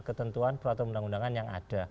ketentuan peraturan undang undangan yang ada